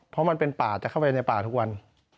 เพราะมันเป็นป่าจะเข้าไปในป่าทุกวัน